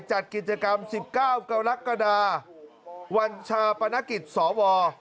จัดกิจกรรม๑๙กรกฎาวันชาปนกิจสว